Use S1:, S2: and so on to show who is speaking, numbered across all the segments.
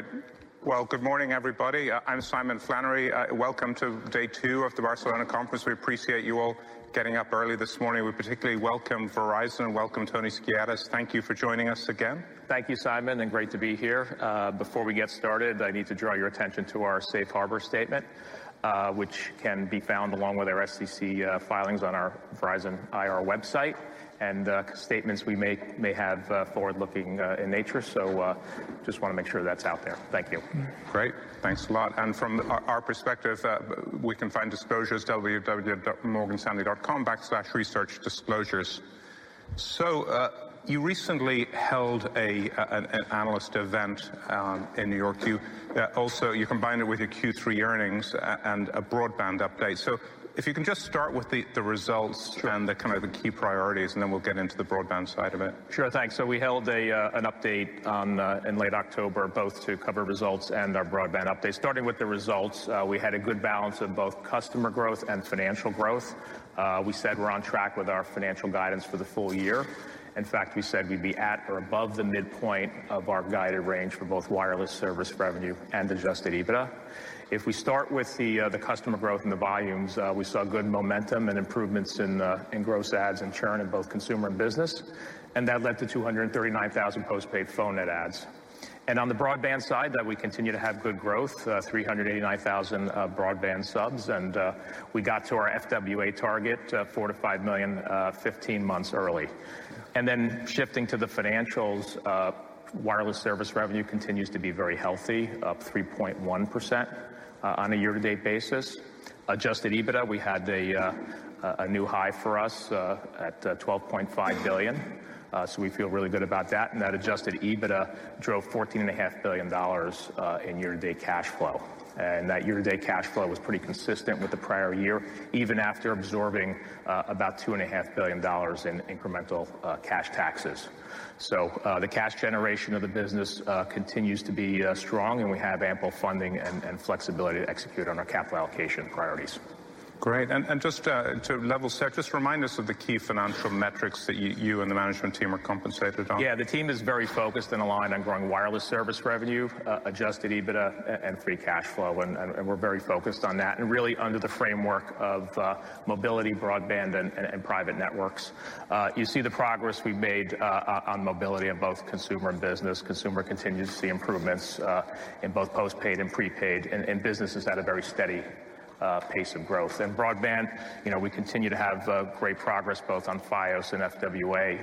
S1: Great. Good morning, everybody. I'm Simon Flannery. Welcome to day two of the Barcelona Conference. We appreciate you all getting up early this morning. We particularly welcome Verizon, and welcome Tony Skiadas. Thank you for joining us again.
S2: Thank you, Simon, and great to be here. Before we get started, I need to draw your attention to our safe harbor statement, which can be found along with our SEC filings on our Verizon IR website. And statements we make may have forward-looking in nature, so just want to make sure that's out there. Thank you.
S1: Great. Thanks a lot. And from our perspective, we can find disclosures at www.morganstanley.com/researchdisclosures. So you recently held an analyst event in New York. You also combined it with your Q3 earnings and a broadband update. So if you can just start with the results and the kind of key priorities, and then we'll get into the broadband side of it.
S2: Sure, thanks. So we held an update in late October, both to cover results and our broadband update. Starting with the results, we had a good balance of both customer growth and financial growth. We said we're on track with our financial guidance for the full year. In fact, we said we'd be at or above the midpoint of our guided range for both wireless service revenue and adjusted EBITDA. If we start with the customer growth and the volumes, we saw good momentum and improvements in gross adds and churn in both consumer and business. And that led to 239,000 postpaid phone net adds. And on the broadband side, we continue to have good growth, 389,000 broadband subs. And we got to our FWA target, four to 5 million, 15 months early. Then shifting to the financials, wireless service revenue continues to be very healthy, up 3.1% on a year-to-date basis. Adjusted EBITDA, we had a new high for us at $12.5 billion. We feel really good about that. That adjusted EBITDA drove $14.5 billion in year-to-date cash flow. That year-to-date cash flow was pretty consistent with the prior year, even after absorbing about $2.5 billion in incremental cash taxes. The cash generation of the business continues to be strong, and we have ample funding and flexibility to execute on our capital allocation priorities.
S1: Great. And just to level set, just remind us of the key financial metrics that you and the management team are compensated on?
S2: Yeah, the team is very focused and aligned on growing wireless service revenue, Adjusted EBITDA, and free cash flow. And we're very focused on that, and really under the framework of mobility, broadband, and private networks. You see the progress we've made on mobility in both consumer and business. Consumer continues to see improvements in both postpaid and prepaid, and business is at a very steady pace of growth. And broadband, we continue to have great progress both on Fios and FWA.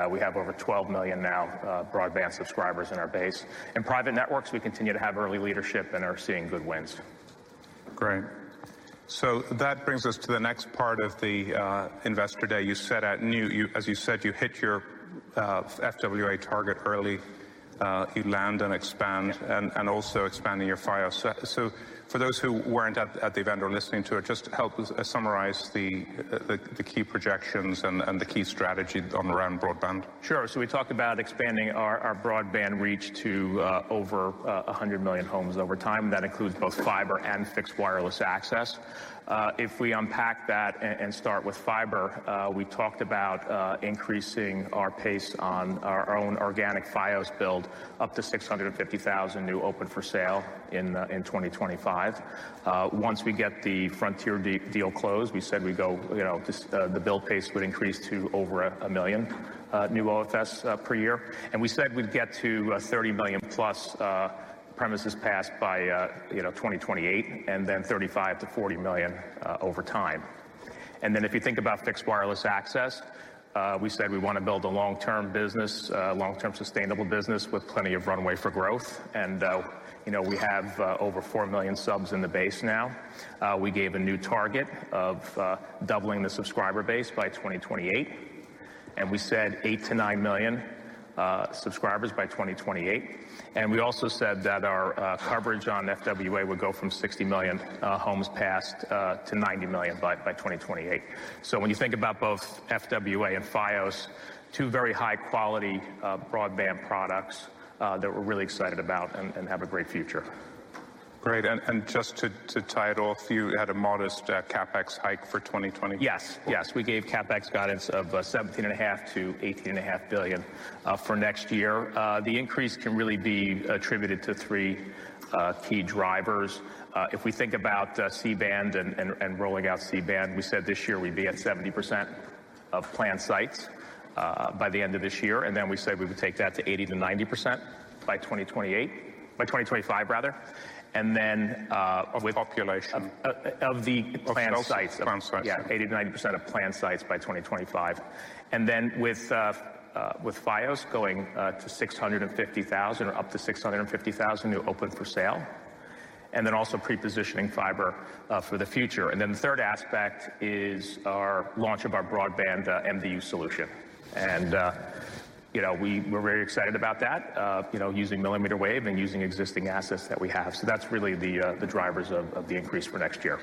S2: And we have over 12 million now broadband subscribers in our base. In private networks, we continue to have early leadership and are seeing good wins.
S1: Great, so that brings us to the next part of the Investor Day. You said, as you said, you hit your FWA target early, you land and expand, and also expanding your Fios. So, for those who weren't at the event or listening to it, just help us summarize the key projections and the key strategy around broadband.
S2: Sure. So we talked about expanding our broadband reach to over 100 million homes over time. That includes both fiber and fixed wireless access. If we unpack that and start with fiber, we talked about increasing our pace on our own organic Fios build, up to 650,000 new open for sale in 2025. Once we get the Frontier deal closed, we said we'd go the build pace would increase to over a million new OFS per year. And we said we'd get to 30 million plus premises passed by 2028, and then 35 to 40 million over time. And then if you think about fixed wireless access, we said we want to build a long-term business, long-term sustainable business with plenty of runway for growth. And we have over 4 million subs in the base now. We gave a new target of doubling the subscriber base by 2028. We said eight to nine million subscribers by 2028. We also said that our coverage on FWA would go from 60 million homes passed to 90 million by 2028. When you think about both FWA and Fios, two very high-quality broadband products that we're really excited about and have a great future.
S1: Great. And just to tie it all, you had a modest CapEx hike for 2020.
S2: Yes, yes. We gave CapEx guidance of $17.5-$18.5 billion for next year. The increase can really be attributed to three key drivers. If we think about C-band and rolling out C-band, we said this year we'd be at 70% of planned sites by the end of this year. And then we said we would take that to 80%-90% by 2028, by 2025, rather. And then with.
S1: Population.
S2: Of the planned sites.
S1: Of planned sites.
S2: Yeah, 80%-90% of planned sites by 2025. And then with Fios going to 650,000 or up to 650,000 new open for sale. And then also pre-positioning fiber for the future. And then the third aspect is our launch of our broadband MDU solution. And we're very excited about that, using millimeter wave and using existing assets that we have. So that's really the drivers of the increase for next year.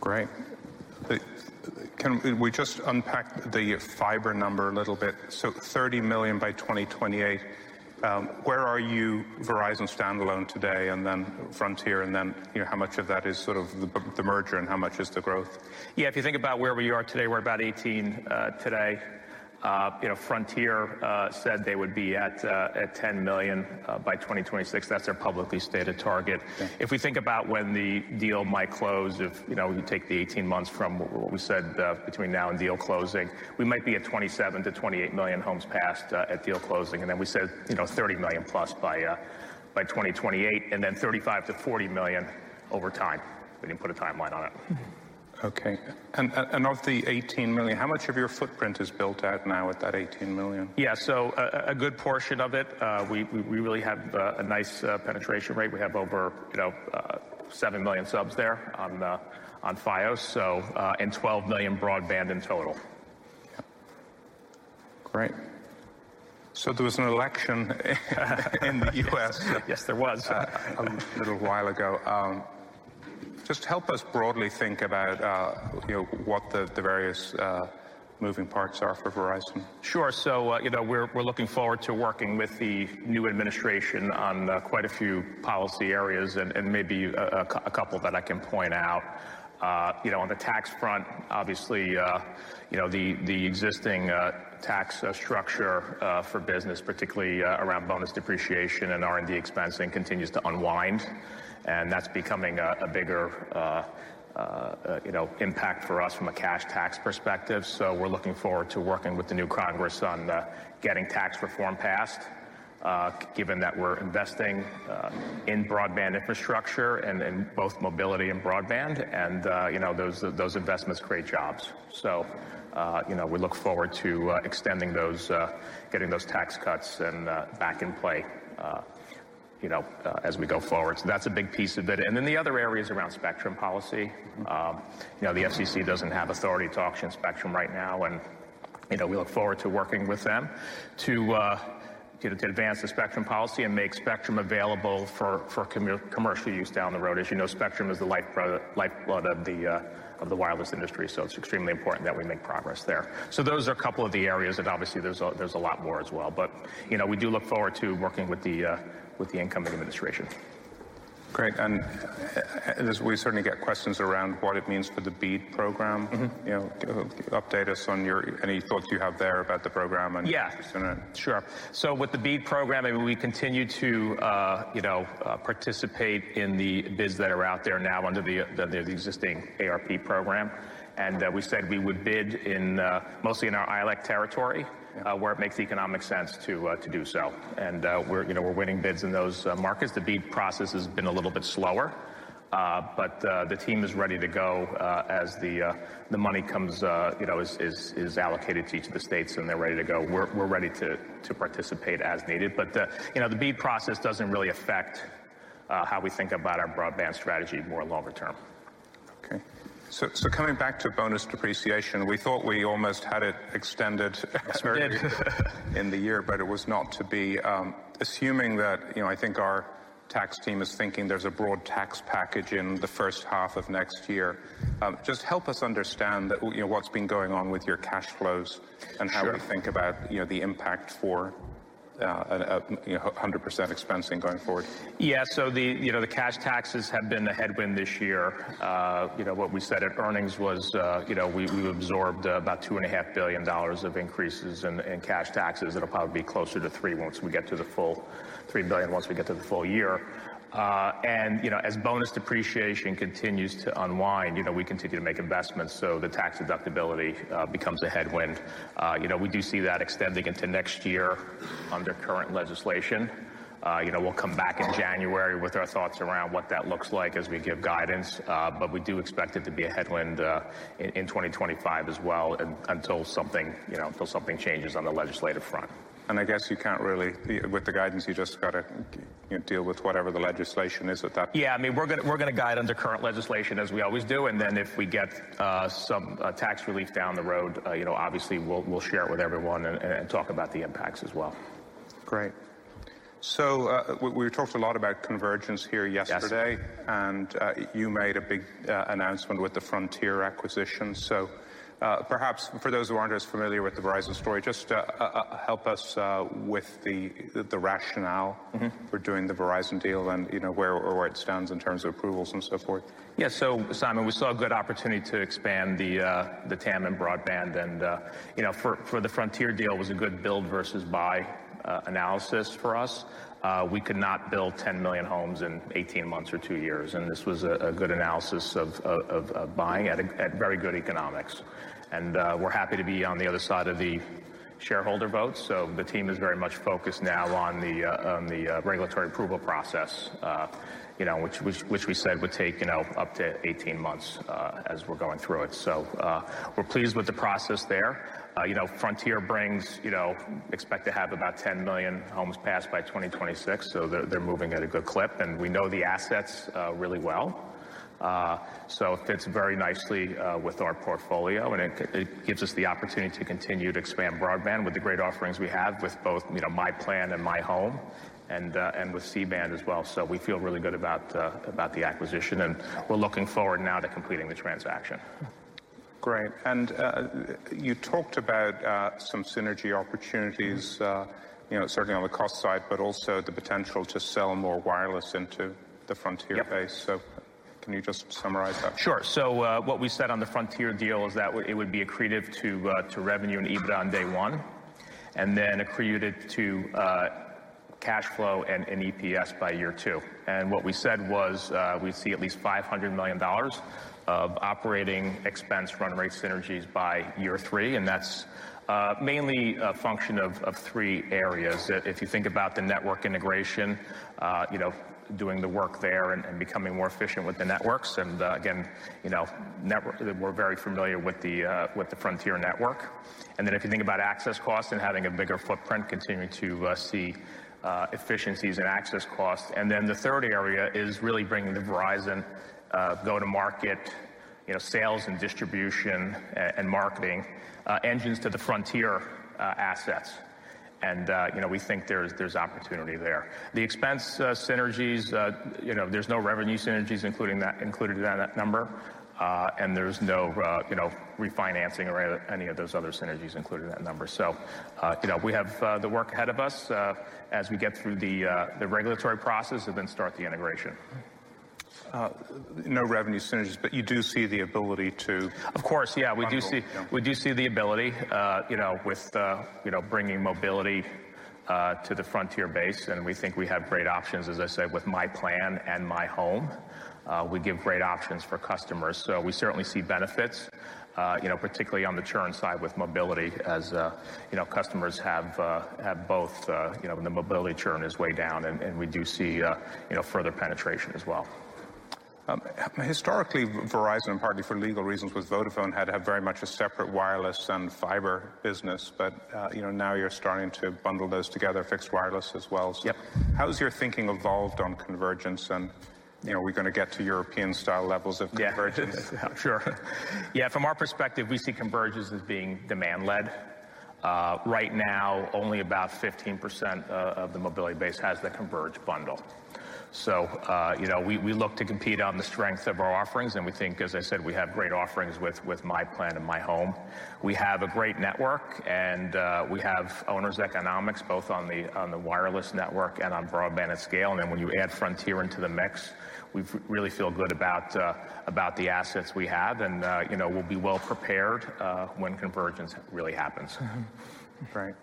S1: Great. We just unpacked the fiber number a little bit. So 30 million by 2028. Where are you, Verizon standalone today, and then Frontier, and then how much of that is sort of the merger and how much is the growth?
S2: Yeah, if you think about where we are today, we're about 18 today. Frontier said they would be at 10 million by 2026. That's their publicly stated target. If we think about when the deal might close, if we take the 18 months from what we said between now and deal closing, we might be at 27-28 million homes passed at deal closing. And then we said 30 million plus by 2028, and then 35-40 million over time. We didn't put a timeline on it.
S1: Okay. And of the 18 million, how much of your footprint is built out now at that 18 million?
S2: Yeah, so a good portion of it. We really have a nice penetration rate. We have over seven million subs there on Fios, so in 12 million broadband in total.
S1: Great, so there was an election in the U.S.
S2: Yes, there was.
S1: A little while ago. Just help us broadly think about what the various moving parts are for Verizon.
S2: Sure. So we're looking forward to working with the new administration on quite a few policy areas, and maybe a couple that I can point out. On the tax front, obviously, the existing tax structure for business, particularly around bonus depreciation and R&D expensing, continues to unwind. And that's becoming a bigger impact for us from a cash tax perspective. So we're looking forward to working with the new Congress on getting tax reform passed, given that we're investing in broadband infrastructure and in both mobility and broadband. And those investments create jobs. So we look forward to extending those, getting those tax cuts back in play as we go forward. So that's a big piece of it. And then the other areas around spectrum policy. The FCC doesn't have authority to auction spectrum right now. And we look forward to working with them to advance the spectrum policy and make spectrum available for commercial use down the road. As you know, spectrum is the lifeblood of the wireless industry. So it's extremely important that we make progress there. So those are a couple of the areas. And obviously, there's a lot more as well. But we do look forward to working with the incoming administration.
S1: Great. And we certainly get questions around what it means for the BEAD program. Update us on any thoughts you have there about the program.
S2: Yeah, sure. So with the BEAD program, we continue to participate in the bids that are out there now under the existing ARP program, and we said we would bid mostly in our ILEC territory, where it makes economic sense to do so, and we're winning bids in those markets. The BEAD process has been a little bit slower, but the team is ready to go as the money is allocated to each of the states, and they're ready to go. We're ready to participate as needed, but the BEAD process doesn't really affect how we think about our broadband strategy more longer term.
S1: Okay, so coming back to bonus depreciation, we thought we almost had it extended in the year, but it was not to be. Assuming that I think our tax team is thinking there's a broad tax package in the first half of next year, just help us understand what's been going on with your cash flows and how we think about the impact for 100% expensing going forward.
S2: Yeah, so the cash taxes have been a headwind this year. What we said at earnings was we absorbed about $2.5 billion of increases in cash taxes. It'll probably be closer to $3 once we get to the full $3 billion, once we get to the full year. And as bonus depreciation continues to unwind, we continue to make investments, so the tax deductibility becomes a headwind. We do see that extending into next year under current legislation. We'll come back in January with our thoughts around what that looks like as we give guidance. But we do expect it to be a headwind in 2025 as well until something changes on the legislative front.
S1: I guess you can't really, with the guidance you just got to deal with whatever the legislation is at that point.
S2: Yeah, I mean, we're going to guide under current legislation as we always do, and then if we get some tax relief down the road, obviously, we'll share it with everyone and talk about the impacts as well.
S1: Great. So we talked a lot about convergence here yesterday. And you made a big announcement with the Frontier acquisition. So perhaps for those who aren't as familiar with the Verizon story, just help us with the rationale for doing the Verizon deal and where it stands in terms of approvals and so forth?
S2: Yeah, so Simon, we saw a good opportunity to expand the TAM and broadband. And for the Frontier deal, it was a good build versus buy analysis for us. We could not build 10 million homes in 18 months or two years. And this was a good analysis of buying at very good economics. And we're happy to be on the other side of the shareholder vote. So the team is very much focused now on the regulatory approval process, which we said would take up to 18 months as we're going through it. So we're pleased with the process there. Frontier brings, expect to have about 10 million homes passed by 2026. So they're moving at a good clip. And we know the assets really well. So it fits very nicely with our portfolio. And it gives us the opportunity to continue to expand broadband with the great offerings we have with both myPlan and myHome and with C-band as well. So we feel really good about the acquisition. And we're looking forward now to completing the transaction.
S1: Great. And you talked about some synergy opportunities, certainly on the cost side, but also the potential to sell more wireless into the Frontier base. So can you just summarize that?
S2: Sure. So what we said on the Frontier deal is that it would be accretive to revenue and EBITDA on day one, and then accretive to cash flow and EPS by year two. And what we said was we'd see at least $500 million of operating expense run rate synergies by year three. And that's mainly a function of three areas. If you think about the network integration, doing the work there and becoming more efficient with the networks. And again, we're very familiar with the Frontier network. And then if you think about access costs and having a bigger footprint, continuing to see efficiencies in access costs. And then the third area is really bringing the Verizon go-to-market sales and distribution and marketing engines to the Frontier assets. And we think there's opportunity there. The expense synergies, there's no revenue synergies included in that number. And there's no refinancing or any of those other synergies included in that number. So we have the work ahead of us as we get through the regulatory process and then start the integration.
S1: No revenue synergies, but you do see the ability to.
S2: Of course, yeah, we do see the ability with bringing mobility to the Frontier base, and we think we have great options, as I said, with my plan and my home. We give great options for customers, so we certainly see benefits, particularly on the churn side with mobility, as customers have both, the mobility churn is way down, and we do see further penetration as well.
S1: Historically, Verizon, partly for legal reasons, with Vodafone had to have very much a separate wireless and fiber business. But now you're starting to bundle those together, fixed wireless as well. How has your thinking evolved on convergence? And are we going to get to European-style levels of convergence?
S2: Yeah, sure. Yeah, from our perspective, we see convergence as being demand-led. Right now, only about 15% of the mobility base has the converged bundle. So we look to compete on the strength of our offerings. And we think, as I said, we have great offerings with myPlan and myHome. We have a great network. And we have owners' economics, both on the wireless network and on broadband at scale. And then when you add Frontier into the mix, we really feel good about the assets we have. And we'll be well prepared when convergence really happens.
S1: Great.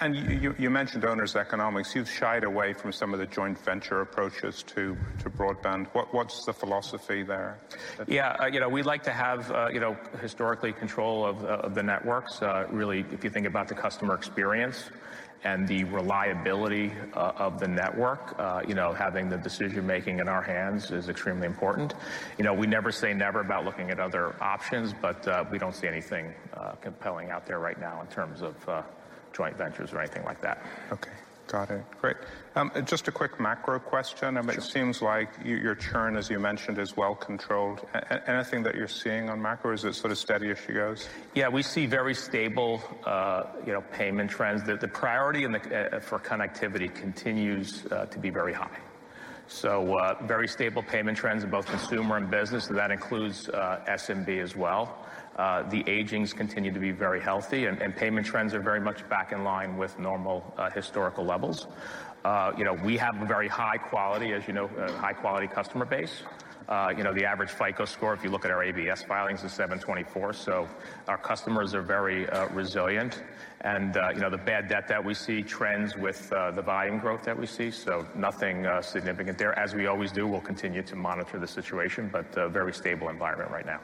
S1: And you mentioned owners' economics. You've shied away from some of the joint venture approaches to broadband. What's the philosophy there?
S2: Yeah, we'd like to have historically control of the networks. Really, if you think about the customer experience and the reliability of the network, having the decision-making in our hands is extremely important. We never say never about looking at other options, but we don't see anything compelling out there right now in terms of joint ventures or anything like that.
S1: Okay, got it. Great. Just a quick macro question. It seems like your churn, as you mentioned, is well controlled. Anything that you're seeing on macro, is it sort of steady as she goes?
S2: Yeah, we see very stable payment trends. The priority for connectivity continues to be very high. So very stable payment trends in both consumer and business. That includes SMB as well. The agings continue to be very healthy. And payment trends are very much back in line with normal historical levels. We have a very high quality, as you know, high-quality customer base. The average FICO score, if you look at our ABS filings, is 724. So our customers are very resilient. And the bad debt that we see trends with the buying growth that we see. So nothing significant there. As we always do, we'll continue to monitor the situation, but a very stable environment right now.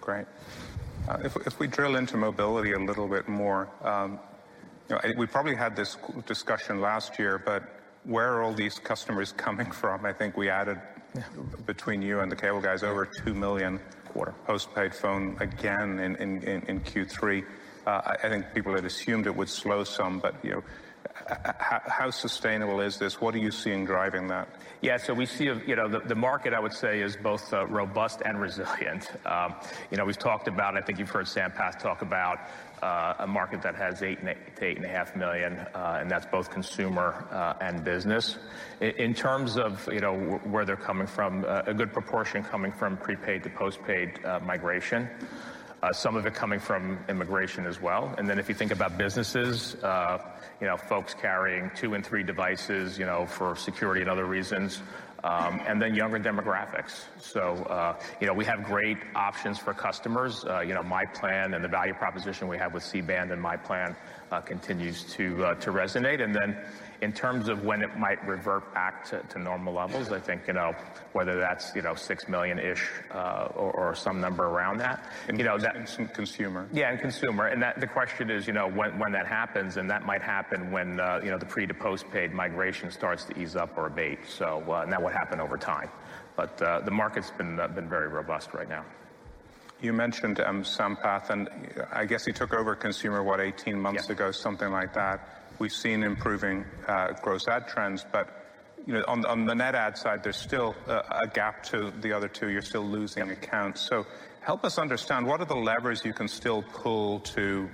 S1: Great. If we drill into mobility a little bit more, we probably had this discussion last year, but where are all these customers coming from? I think we added, between you and the cable guys, over two million postpaid phone again in Q3. I think people had assumed it would slow some. But how sustainable is this? What are you seeing driving that?
S2: Yeah, so we see the market, I would say, is both robust and resilient. We've talked about, and I think you've heard Sampath talk about a market that has eight to 8.5 million, and that's both consumer and business. In terms of where they're coming from, a good proportion coming from prepaid to postpaid migration, some of it coming from immigration as well. And then if you think about businesses, folks carrying two and three devices for security and other reasons, and then younger demographics, so we have great options for customers. My plan and the value proposition we have with C-band and my plan continues to resonate, and then in terms of when it might revert back to normal levels, I think whether that's 6 million-ish or some number around that.
S1: Consumer.
S2: Yeah, and consumer. And the question is when that happens. And that might happen when the pre-to-postpaid migration starts to ease up or abate. And that will happen over time. But the market's been very robust right now.
S1: You mentioned Sampath, and I guess he took over consumer, what, 18 months ago, something like that. We've seen improving gross add trends. But on the net add side, there's still a gap to the other two. You're still losing accounts. So help us understand what are the levers you can still pull to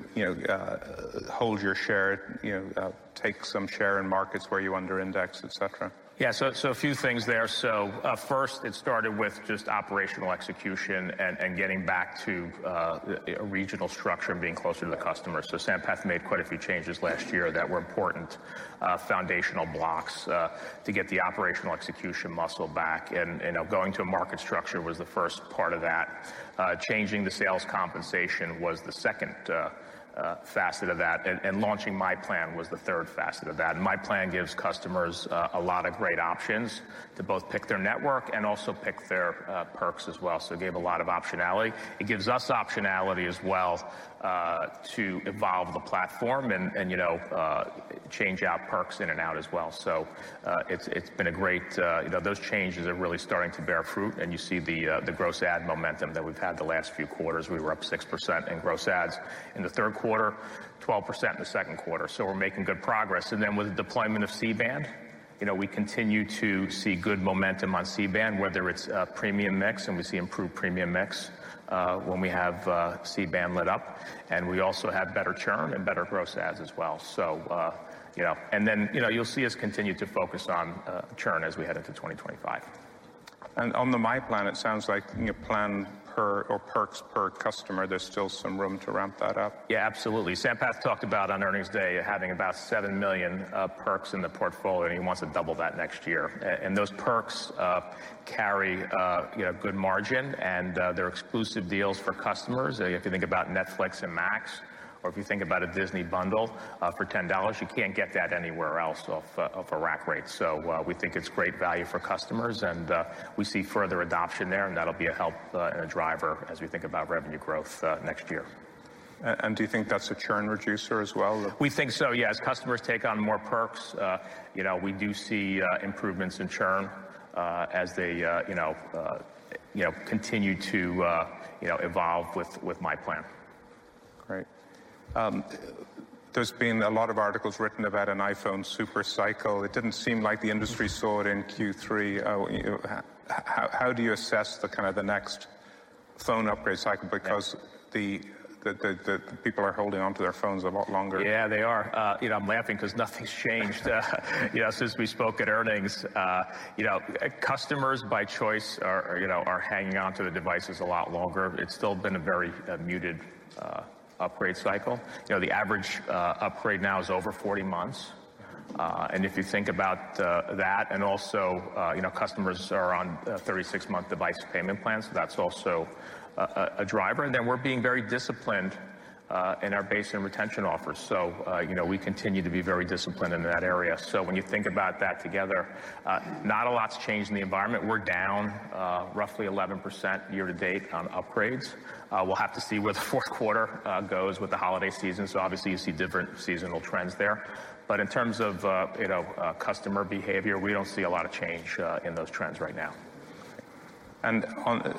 S1: hold your share, take some share in markets where you underindex, et cetera.
S2: Yeah, so a few things there. So first, it started with just operational execution and getting back to a regional structure and being closer to the customer. So Sampath made quite a few changes last year that were important foundational blocks to get the operational execution muscle back. And going to a market structure was the first part of that. Changing the sales compensation was the second facet of that. And launching myPlan was the third facet of that. myPlan gives customers a lot of great options to both pick their network and also pick their perks as well. So it gave a lot of optionality. It gives us optionality as well to evolve the platform and change out perks in and out as well. So it's been great. Those changes are really starting to bear fruit. And you see the gross adds momentum that we've had the last few quarters. We were up 6% in gross adds in the third quarter, 12% in the second quarter. So we're making good progress. And then with the deployment of C-band, we continue to see good momentum on C-band, whether it's a premium mix. And we see improved premium mix when we have C-band lit up. And we also have better churn and better gross adds as well. And then you'll see us continue to focus on churn as we head into 2025.
S1: On the myPlan, it sounds like perks per customer. There's still some room to ramp that up.
S2: Yeah, absolutely. Sampath talked about on earnings day having about 7 million perks in the portfolio, and he wants to double that next year, and those perks carry good margin, and they're exclusive deals for customers. If you think about Netflix and Max, or if you think about a Disney bundle for $10, you can't get that anywhere else off a rack rate, so we think it's great value for customers, and we see further adoption there, and that'll be a help and a driver as we think about revenue growth next year.
S1: Do you think that's a churn reducer as well?
S2: We think so, yeah. As customers take on more perks, we do see improvements in churn as they continue to evolve with myPlan.
S1: Great. There's been a lot of articles written about an iPhone super cycle. It didn't seem like the industry saw it in Q3. How do you assess the kind of the next phone upgrade cycle? Because the people are holding on to their phones a lot longer.
S2: Yeah, they are. I'm laughing because nothing's changed since we spoke at earnings. Customers by choice are hanging on to the devices a lot longer. It's still been a very muted upgrade cycle. The average upgrade now is over 40 months. And if you think about that, and also customers are on 36-month device payment plans, that's also a driver. And then we're being very disciplined in our base and retention offers. So we continue to be very disciplined in that area. So when you think about that together, not a lot's changed in the environment. We're down roughly 11% year to date on upgrades. We'll have to see where the fourth quarter goes with the holiday season. So obviously, you see different seasonal trends there. But in terms of customer behavior, we don't see a lot of change in those trends right now.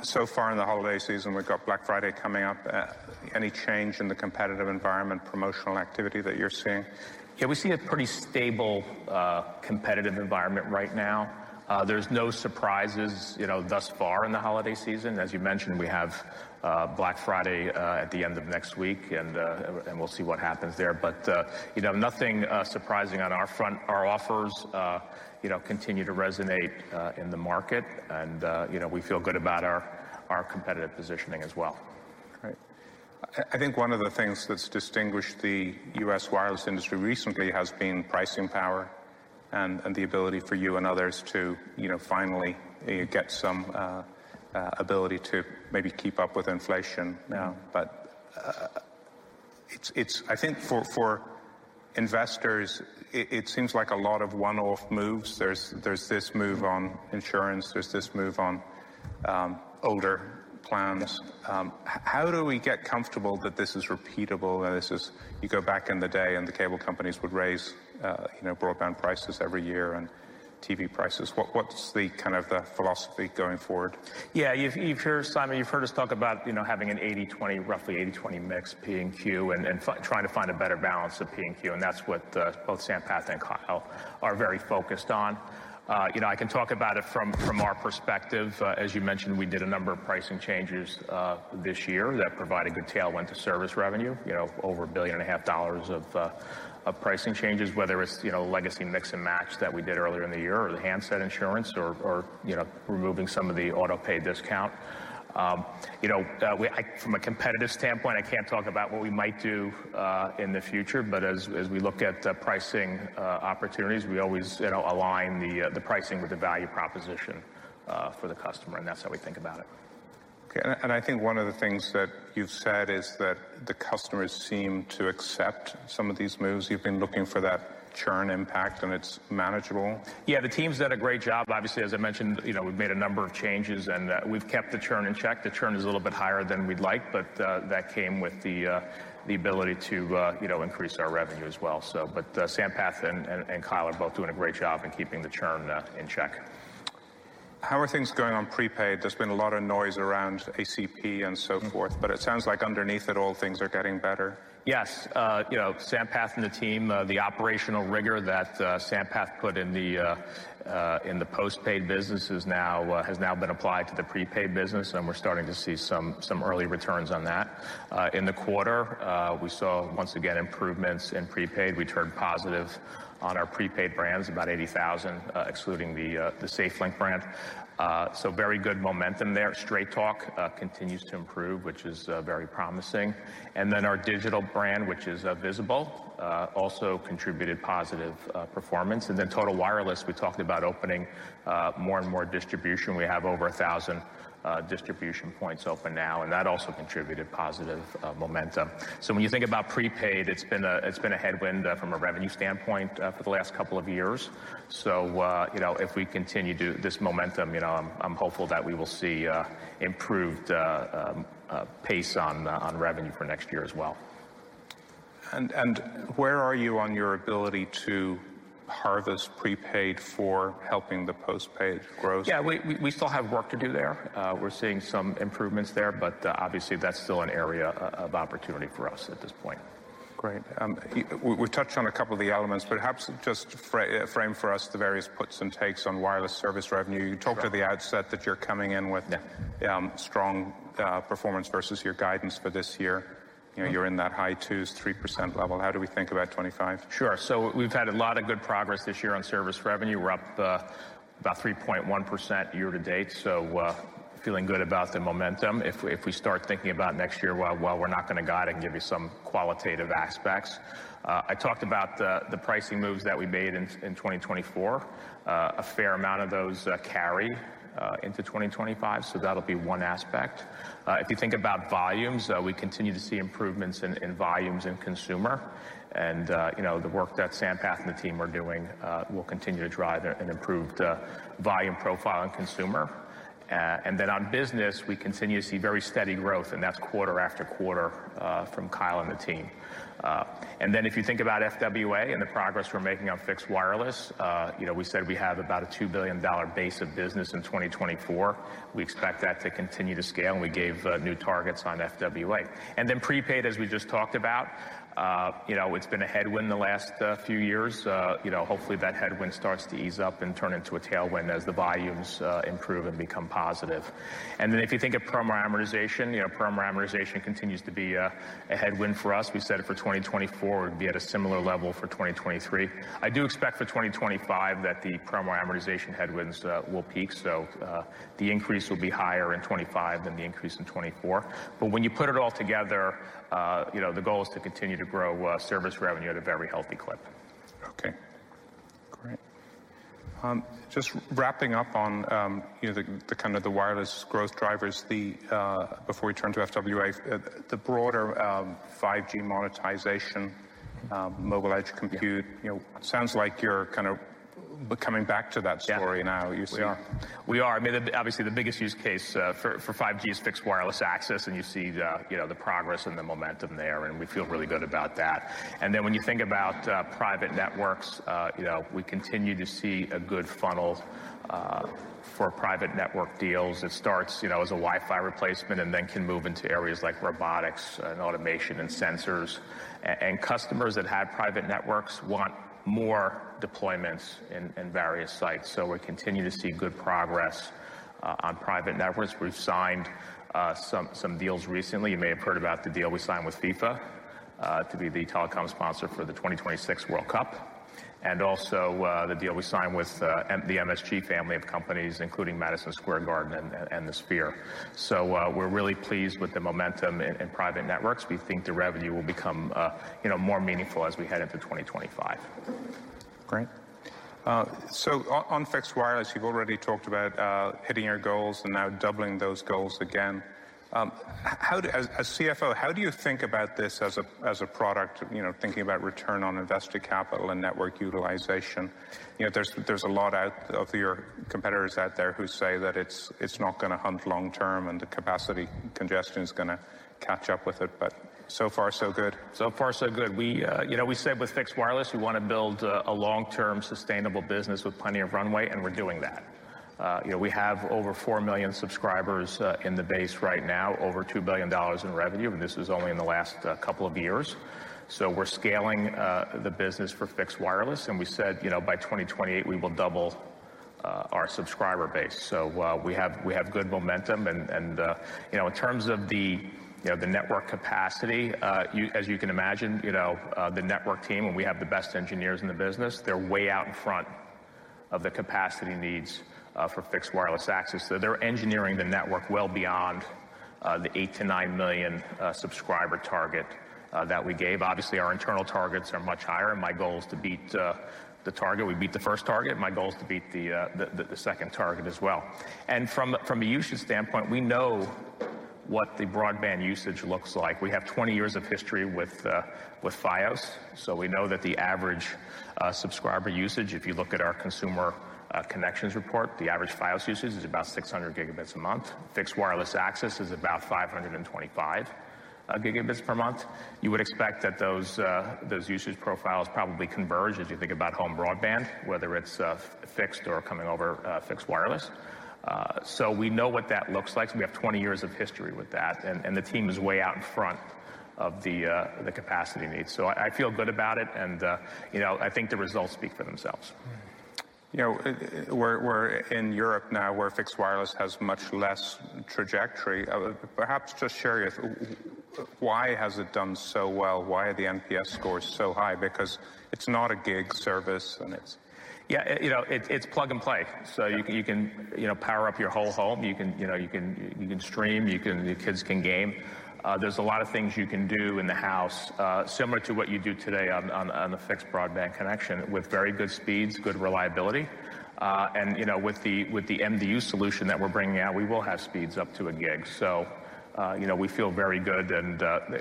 S1: So far in the holiday season, we've got Black Friday coming up. Any change in the competitive environment, promotional activity that you're seeing?
S2: Yeah, we see a pretty stable competitive environment right now. There's no surprises thus far in the holiday season. As you mentioned, we have Black Friday at the end of next week, and we'll see what happens there, but nothing surprising on our front. Our offers continue to resonate in the market, and we feel good about our competitive positioning as well.
S1: Great. I think one of the things that's distinguished the U.S. wireless industry recently has been pricing power and the ability for you and others to finally get some ability to maybe keep up with inflation. But I think for investors, it seems like a lot of one-off moves. There's this move on insurance. There's this move on older plans. How do we get comfortable that this is repeatable? You go back in the day and the cable companies would raise broadband prices every year and TV prices. What's the kind of philosophy going forward?
S2: Yeah, you've heard us talk about having an 80-20, roughly 80-20 mix P&Q and trying to find a better balance of P&Q. And that's what both Sampath and Kyle are very focused on. I can talk about it from our perspective. As you mentioned, we did a number of pricing changes this year that provided good tailwind to service revenue, over $1.5 billion of pricing changes, whether it's legacy mix and match that we did earlier in the year or the handset insurance or removing some of the autopay discount. From a competitive standpoint, I can't talk about what we might do in the future. But as we look at pricing opportunities, we always align the pricing with the value proposition for the customer. And that's how we think about it.
S1: Okay. And I think one of the things that you've said is that the customers seem to accept some of these moves. You've been looking for that churn impact, and it's manageable.
S2: Yeah, the team's done a great job. Obviously, as I mentioned, we've made a number of changes, and we've kept the churn in check. The churn is a little bit higher than we'd like, but that came with the ability to increase our revenue as well, but Sampath and Kyle are both doing a great job in keeping the churn in check.
S1: How are things going on prepaid? There's been a lot of noise around ACP and so forth. But it sounds like underneath it, all things are getting better.
S2: Yes. Sampath and the team, the operational rigor that Sampath put in the postpaid business has now been applied to the prepaid business. And we're starting to see some early returns on that. In the quarter, we saw once again improvements in prepaid. We turned positive on our prepaid brands, about 80,000, excluding the SafeLink brand. So very good momentum there. Straight Talk continues to improve, which is very promising. And then our digital brand, which is Visible, also contributed positive performance. And then Total Wireless, we talked about opening more and more distribution. We have over 1,000 distribution points open now. And that also contributed positive momentum. So when you think about prepaid, it's been a headwind from a revenue standpoint for the last couple of years. So if we continue this momentum, I'm hopeful that we will see improved pace on revenue for next year as well.
S1: Where are you on your ability to harvest prepaid for helping the postpaid growth?
S2: Yeah, we still have work to do there. We're seeing some improvements there. But obviously, that's still an area of opportunity for us at this point.
S1: Great. We've touched on a couple of the elements. But perhaps just frame for us the various puts and takes on wireless service revenue. You talked at the outset that you're coming in with strong performance versus your guidance for this year. You're in that high 2s, 3% level. How do we think about 2025?
S2: Sure. So we've had a lot of good progress this year on service revenue. We're up about 3.1% year to date. So feeling good about the momentum. If we start thinking about next year, while we're not going to guide, I can give you some qualitative aspects. I talked about the pricing moves that we made in 2024. A fair amount of those carry into 2025. So that'll be one aspect. If you think about volumes, we continue to see improvements in volumes and consumer. And the work that Sampath and the team are doing will continue to drive an improved volume profile and consumer. And then on business, we continue to see very steady growth. And that's quarter after quarter from Kyle and the team. And then, if you think about FWA and the progress we're making on fixed wireless, we said we have about a $2 billion base of business in 2024. We expect that to continue to scale. And we gave new targets on FWA. And then prepaid, as we just talked about, it's been a headwind the last few years. Hopefully, that headwind starts to ease up and turn into a tailwind as the volumes improve and become positive. And then, if you think of promo amortization, promo amortization continues to be a headwind for us. We said for 2024, we'd be at a similar level for 2023. I do expect for 2025 that the promo amortization headwinds will peak. So the increase will be higher in 2025 than the increase in 2024. But when you put it all together, the goal is to continue to grow service revenue at a very healthy clip.
S1: Okay. Great. Just wrapping up on the kind of wireless growth drivers, before we turn to FWA, the broader 5G monetization, mobile edge compute, sounds like you're kind of coming back to that story now. You see.
S2: We are. I mean, obviously, the biggest use case for 5G is fixed wireless access. And you see the progress and the momentum there. And we feel really good about that. And then when you think about private networks, we continue to see a good funnel for private network deals. It starts as a Wi-Fi replacement and then can move into areas like robotics and automation and sensors. And customers that had private networks want more deployments in various sites. So we continue to see good progress on private networks. We've signed some deals recently. You may have heard about the deal we signed with FIFA to be the telecom sponsor for the 2026 World Cup. And also the deal we signed with the MSG family of companies, including Madison Square Garden and the Sphere. So we're really pleased with the momentum in private networks. We think the revenue will become more meaningful as we head into 2025.
S1: Great. So on fixed wireless, you've already talked about hitting your goals and now doubling those goals again. As CFO, how do you think about this as a product, thinking about return on invested capital and network utilization? There's a lot of your competitors out there who say that it's not going to hunt long term and the capacity congestion is going to catch up with it. But so far, so good?
S2: So far, so good. We said with fixed wireless, we want to build a long-term sustainable business with plenty of runway, and we're doing that. We have over 4 million subscribers in the base right now, over $2 billion in revenue, and this is only in the last couple of years, so we're scaling the business for fixed wireless, and we said by 2028, we will double our subscriber base. So we have good momentum, and in terms of the network capacity, as you can imagine, the network team, when we have the best engineers in the business, they're way out in front of the capacity needs for fixed wireless access. So they're engineering the network well beyond the 8-9 million subscriber target that we gave. Obviously, our internal targets are much higher, and my goal is to beat the target. We beat the first target. My goal is to beat the second target as well. And from a usage standpoint, we know what the broadband usage looks like. We have 20 years of history with Fios. So we know that the average subscriber usage, if you look at our consumer connections report, the average Fios usage is about 600 gigabits a month. Fixed wireless access is about 525 gigabits per month. You would expect that those usage profiles probably converge as you think about home broadband, whether it's fixed or coming over fixed wireless. So we know what that looks like. We have 20 years of history with that. And the team is way out in front of the capacity needs. So I feel good about it. And I think the results speak for themselves.
S1: We're in Europe now where fixed wireless has much less traction. Perhaps just share with us, why has it done so well? Why are the NPS scores so high? Because it's not a gig service and it's.
S2: Yeah, it's plug and play. So you can power up your whole home. You can stream. Your kids can game. There's a lot of things you can do in the house, similar to what you do today on the fixed broadband connection with very good speeds, good reliability. And with the MDU solution that we're bringing out, we will have speeds up to a gig. So we feel very good. And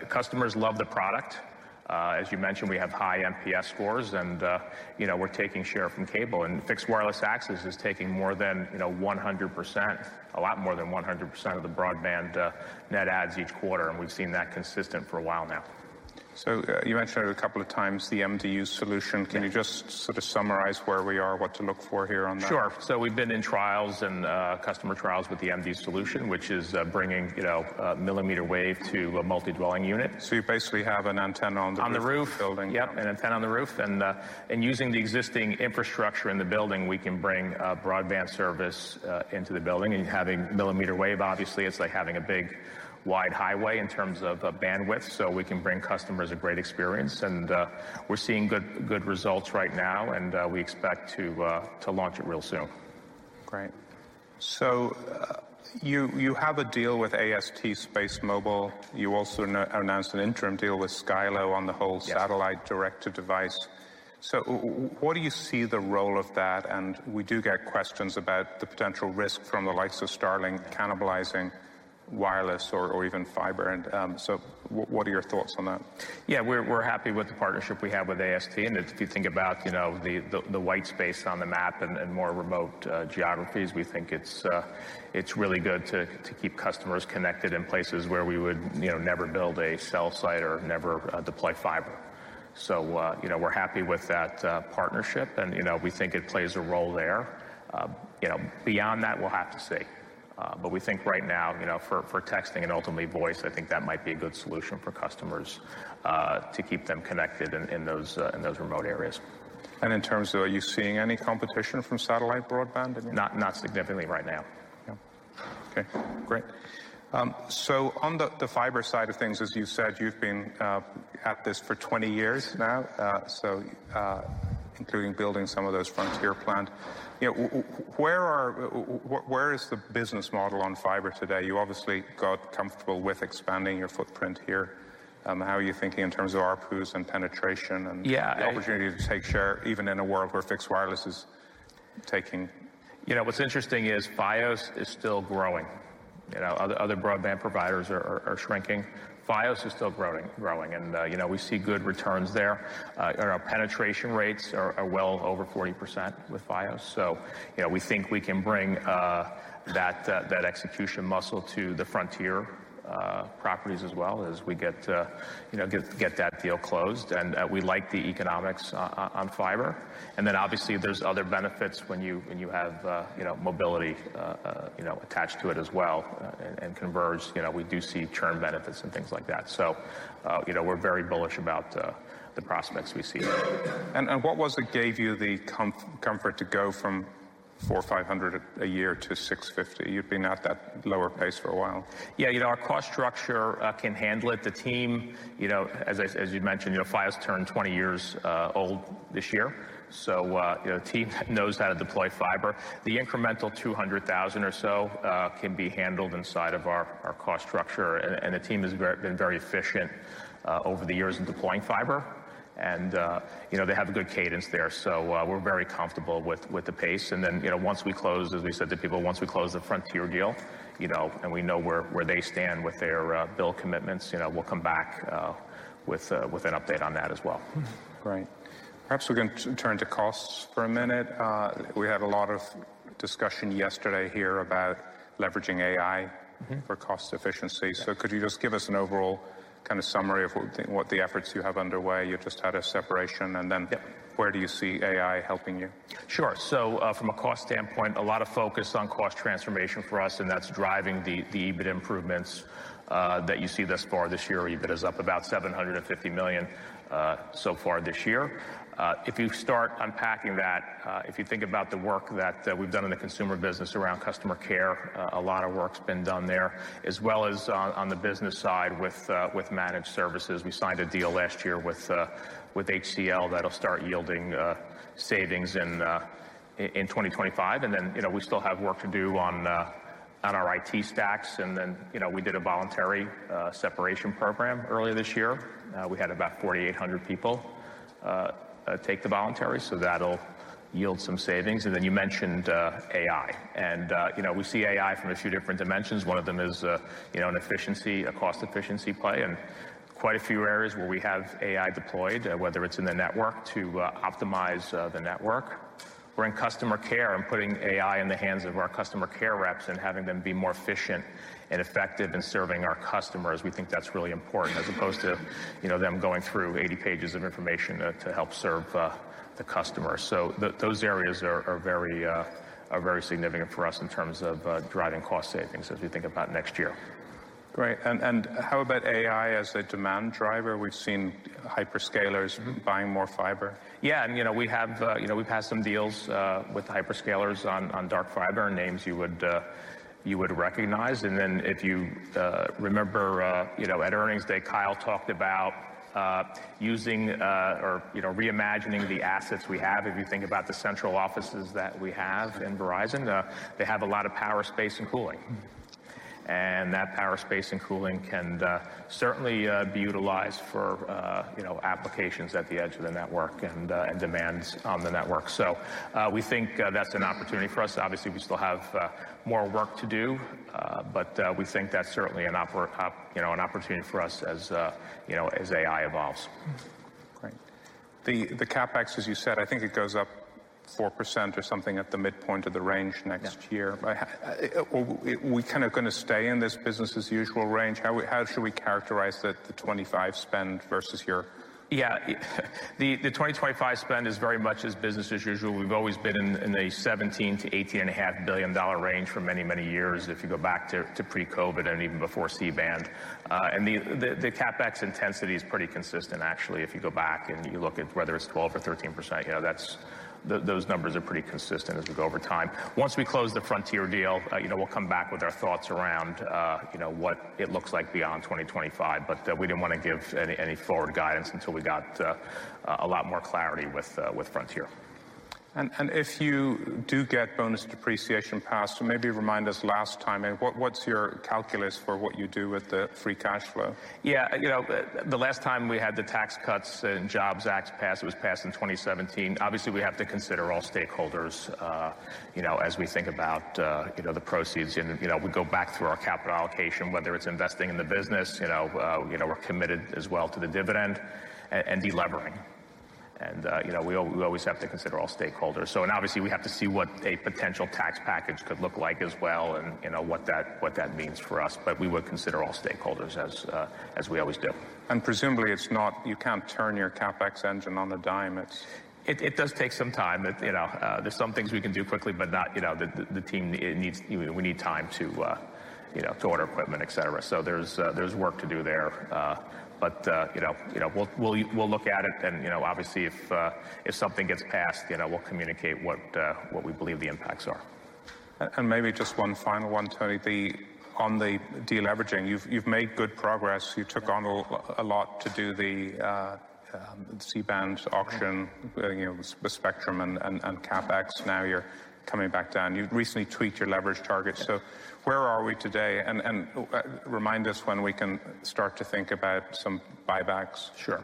S2: customers love the product. As you mentioned, we have high NPS scores. And we're taking share from cable. And fixed wireless access is taking more than 100%, a lot more than 100% of the broadband net adds each quarter. And we've seen that consistent for a while now.
S1: So you mentioned a couple of times the MDU solution. Can you just sort of summarize where we are, what to look for here on that?
S2: Sure. So we've been in trials and customer trials with the MDU solution, which is bringing millimeter wave to a multi-dwelling unit.
S1: You basically have an antenna on the roof.
S2: On the roof. Yep, an antenna on the roof. And using the existing infrastructure in the building, we can bring broadband service into the building. And having millimeter wave, obviously, it's like having a big wide highway in terms of bandwidth. So we can bring customers a great experience. And we're seeing good results right now. And we expect to launch it real soon.
S1: Great. So you have a deal with AST SpaceMobile. You also announced an interim deal with Skylo on the whole satellite direct-to-device. So what do you see the role of that? And we do get questions about the potential risk from the likes of Starlink cannibalizing wireless or even fiber. And so what are your thoughts on that?
S2: Yeah, we're happy with the partnership we have with AST. And if you think about the white space on the map and more remote geographies, we think it's really good to keep customers connected in places where we would never build a cell site or never deploy fiber. So we're happy with that partnership. And we think it plays a role there. Beyond that, we'll have to see. But we think right now, for texting and ultimately voice, I think that might be a good solution for customers to keep them connected in those remote areas.
S1: And in terms of, are you seeing any competition from satellite broadband?
S2: Not significantly right now.
S1: Okay. Great. So on the fiber side of things, as you said, you've been at this for 20 years now, including building some of those Frontier plants. Where is the business model on fiber today? You obviously got comfortable with expanding your footprint here. How are you thinking in terms of RPUs and penetration and the opportunity to take share, even in a world where fixed wireless is taking?
S2: What's interesting is Fios is still growing. Other broadband providers are shrinking. Fios is still growing. And we see good returns there. Our penetration rates are well over 40% with Fios. So we think we can bring that execution muscle to the Frontier properties as well as we get that deal closed. And we like the economics on fiber. And then obviously, there's other benefits when you have mobility attached to it as well and converged. We do see churn benefits and things like that. So we're very bullish about the prospects we see.
S1: And what was it that gave you the comfort to go from 4,500 a year to 650? You've been at that lower pace for a while.
S2: Yeah, our cost structure can handle it. The team, as you mentioned, Fios turned 20 years old this year. So the team knows how to deploy fiber. The incremental 200,000 or so can be handled inside of our cost structure. And the team has been very efficient over the years in deploying fiber. And they have a good cadence there. So we're very comfortable with the pace. And then once we close, as we said to people, once we close the Frontier deal and we know where they stand with their build commitments, we'll come back with an update on that as well.
S1: Great. Perhaps we can turn to costs for a minute. We had a lot of discussion yesterday here about leveraging AI for cost efficiency. So could you just give us an overall kind of summary of what the efforts you have underway? You just had a separation. And then where do you see AI helping you?
S2: Sure. So from a cost standpoint, a lot of focus on cost transformation for us. And that's driving the EBIT improvements that you see thus far this year. EBIT is up about $750 million so far this year. If you start unpacking that, if you think about the work that we've done in the consumer business around customer care, a lot of work's been done there, as well as on the business side with managed services. We signed a deal last year with HCL that'll start yielding savings in 2025. And then we still have work to do on our IT stacks. And then we did a voluntary separation program earlier this year. We had about 4,800 people take the voluntary. So that'll yield some savings. And then you mentioned AI. And we see AI from a few different dimensions. One of them is an efficiency, a cost efficiency play. Quite a few areas where we have AI deployed, whether it's in the network to optimize the network. We're in customer care and putting AI in the hands of our customer care reps and having them be more efficient and effective in serving our customers. We think that's really important as opposed to them going through 80 pages of information to help serve the customer. Those areas are very significant for us in terms of driving cost savings as we think about next year.
S1: Great, and how about AI as a demand driver? We've seen hyperscalers buying more fiber.
S2: Yeah. And we've had some deals with hyperscalers on dark fiber, names you would recognize. And then if you remember at earnings day, Kyle talked about using or reimagining the assets we have. If you think about the central offices that we have in Verizon, they have a lot of power space and cooling. And that power space and cooling can certainly be utilized for applications at the edge of the network and demands on the network. So we think that's an opportunity for us. Obviously, we still have more work to do. But we think that's certainly an opportunity for us as AI evolves.
S1: Great. The CapEx, as you said, I think it goes up 4% or something at the midpoint of the range next year. Are we kind of going to stay in this business-as-usual range? How should we characterize the 2025 spend versus here?
S2: Yeah. The 2025 spend is very much business as usual. We've always been in the $17-$18.5 billion range for many, many years if you go back to pre-COVID and even before C-band. And the CapEx intensity is pretty consistent, actually. If you go back and you look at whether it's 12% or 13%, those numbers are pretty consistent as we go over time. Once we close the Frontier deal, we'll come back with our thoughts around what it looks like beyond 2025. But we didn't want to give any forward guidance until we got a lot more clarity with Frontier.
S1: If you do get bonus depreciation passed, maybe remind us last time. What's your calculus for what you do with the free cash flow?
S2: Yeah. The last time we had the Tax Cuts and Jobs Act passed, it was passed in 2017. Obviously, we have to consider all stakeholders as we think about the proceeds. And we go back through our capital allocation, whether it's investing in the business. We're committed as well to the dividend and delevering. And we always have to consider all stakeholders. And obviously, we have to see what a potential tax package could look like as well and what that means for us. But we would consider all stakeholders as we always do.
S1: Presumably, you can't turn your CapEx engine on the dime.
S2: It does take some time. There's some things we can do quickly, but the team, we need time to order equipment, et cetera. So there's work to do there. But we'll look at it. And obviously, if something gets passed, we'll communicate what we believe the impacts are.
S1: And maybe just one final one, Tony. On the deleveraging, you've made good progress. You took on a lot to do the C-band auction, the spectrum, and CapEx. Now you're coming back down. You recently tweaked your leverage target. So where are we today? And remind us when we can start to think about some buybacks.
S2: Sure.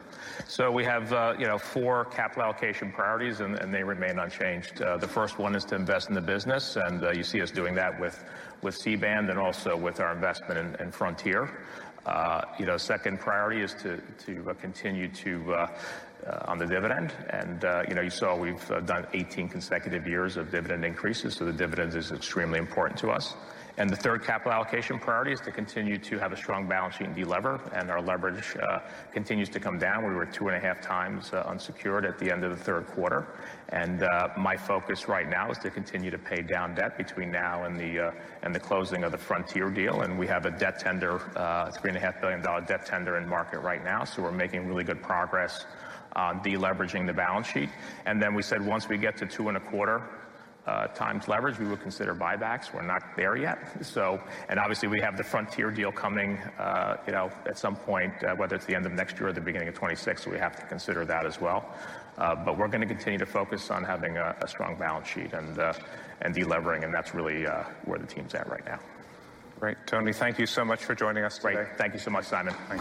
S2: So we have four capital allocation priorities, and they remain unchanged. The first one is to invest in the business. And you see us doing that with C-band and also with our investment in Frontier. Second priority is to continue on the dividend. And you saw we've done 18 consecutive years of dividend increases. So the dividend is extremely important to us. And the third capital allocation priority is to continue to have a strong balance sheet and delever. And our leverage continues to come down. We were 2.5 times unsecured at the end of the third quarter. And my focus right now is to continue to pay down debt between now and the closing of the Frontier deal. And we have a debt tender, $3.5 billion debt tender in market right now. So we're making really good progress on deleveraging the balance sheet. Then we said once we get to 2.25 times leverage, we will consider buybacks. We're not there yet. And obviously, we have the Frontier deal coming at some point, whether it's the end of next year or the beginning of 2026. We have to consider that as well. But we're going to continue to focus on having a strong balance sheet and delevering. And that's really where the team's at right now.
S1: Great. Tony, thank you so much for joining us today.
S2: Thank you so much, Simon.